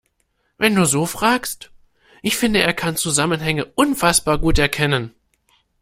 Wenn du so fragst, ich finde, er kann Zusammenhänge unfassbar gut erkennen.